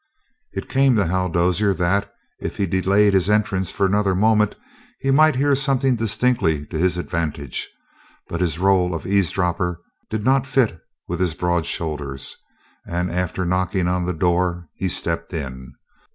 It came to Hal Dozier that, if he delayed his entrance for another moment, he might hear something distinctly to his advantage; but his role of eavesdropper did not fit with his broad shoulders, and, after knocking on the door, he stepped in.